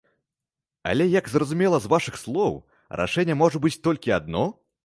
Але як зразумела з вашых слоў, рашэнне можа быць толькі адно?